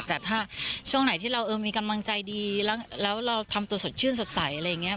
แต่ถ้าช่วงไหนที่เรามีกำลังใจดีแล้วเราทำตัวสดชื่นสดใสอะไรอย่างนี้